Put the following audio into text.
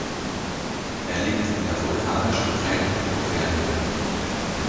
Er liegt in der vulkanisch geprägten Auvergne.